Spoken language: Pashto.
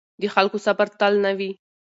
د خلکو صبر تل نه وي